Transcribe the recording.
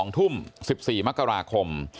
๒ทุ่ม๑๔มกราคม